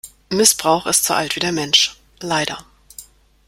Missbrauch ist so alt wie der Mensch - leider.